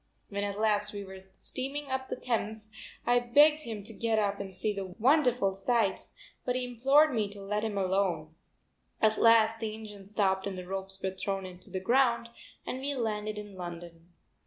When at last we were steaming up the Thames I begged him to get up and see the wonderful sights, but he implored me to let him alone. At last the engine stopped and the ropes were thrown to the ground, and we landed in London.